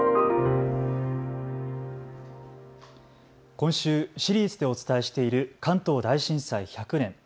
今週、シリーズでお伝えしている関東大震災１００年。